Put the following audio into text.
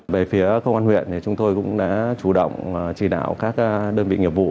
về phía công an huyện chúng tôi cũng đã chủ động chỉ đạo các đơn vị nghiệp vụ